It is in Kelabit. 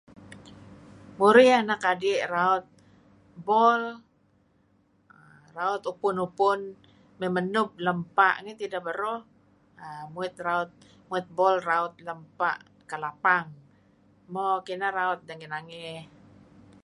Murih anak kadih ra'ut bol ra'ut upun upun, may menub lam bpa' ngi tidah baruh err muit raut, muit bol raut lam bpa' Kalapang, mo kinah raut dah ngi nangey.